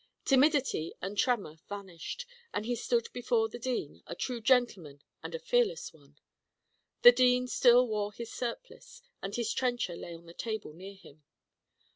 Timidity and tremor vanished, and he stood before the dean, a true gentleman and a fearless one. The dean still wore his surplice, and his trencher lay on the table near him.